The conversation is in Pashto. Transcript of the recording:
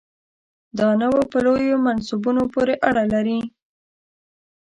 دا نه په لویو منصبونو پورې اړه لري.